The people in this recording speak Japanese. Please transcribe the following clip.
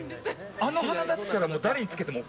あの鼻だったら誰につけてもＯＫ？